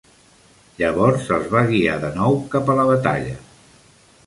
Llavors els va guiar de nou cap a la batalla.